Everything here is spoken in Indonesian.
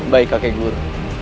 baik kakek guru